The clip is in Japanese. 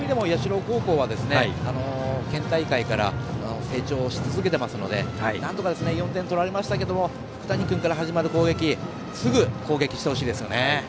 そういった意味でも社高校は県大会から成長し続けてますのでなんとか４点取られましたが福谷君から始まる攻撃すぐ、攻撃してほしいですよね。